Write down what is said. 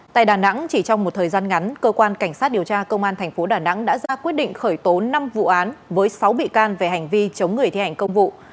tại đà nẵng chỉ trong một thời gian ngắn cơ quan cảnh sát điều tra công an tp đà nẵng đã ra quyết định khởi tố năm vụ án với sáu bị can về hành vi chống người thi hành công vụ